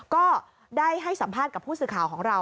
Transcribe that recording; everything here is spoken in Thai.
ก็ได้ให้สัมภาษณ์กับผู้สื่อข่าวของเรา